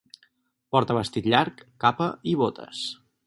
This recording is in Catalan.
Porta vestit llarg, capa i botes.